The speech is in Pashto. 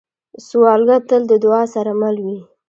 سوالګر تل د دعا سره مل وي